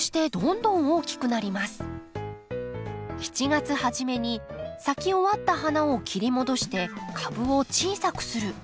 ７月初めに咲き終わった花を切り戻して株を小さくする。